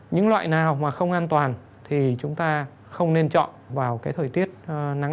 những loại nào không an toàn thì chúng ta không nên chọn vào thời tiết nắng nóng